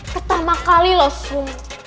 pertama kali lo sung